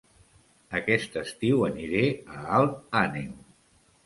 Aquest estiu aniré a Alt Àneu